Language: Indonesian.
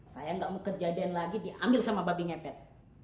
saya nggak mau kejadian lagi diambil sama babi ngepet